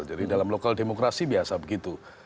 jadi dalam lokal demokrasi biasa begitu